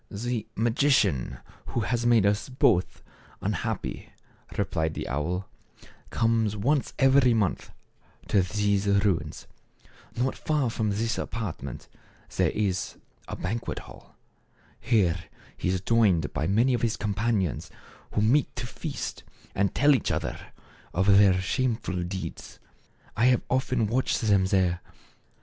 " The magician who has made us both un happy," replied the owl, "comes once every month to these ruins. Not far from this apart ment there is a banquet hall. Here he is joined by many of his companions who meet to feast, and tell each other of their shameful deeds. I have often watched them there.